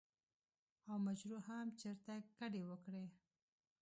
او مچرو هم چرته کډې وکړې ـ